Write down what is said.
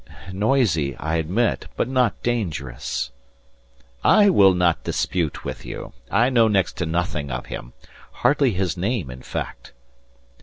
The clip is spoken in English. "Noisy, I admit, but not dangerous." "I will not dispute with you. I know next to nothing of him. Hardly his name in fact."